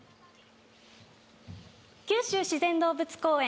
九州自然動物公園